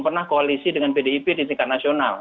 pernah koalisi dengan pdip di tingkat nasional